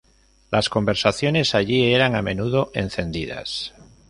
Las conversaciones allí eran a menudo encendidas.